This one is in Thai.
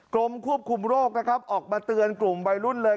กรมควบคุมโรคนะครับออกมาเตือนกลุ่มวัยรุ่นเลย